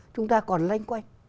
chúng ta còn lanh quanh